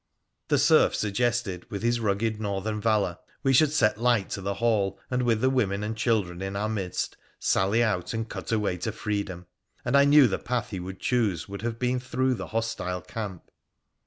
The serf suggested with his rugged northern valour, we should set light to the hall and, with the women and children in our midst, sally out and cut a way to freedom, and I knew the path he would choose would have been through the hostile tamp.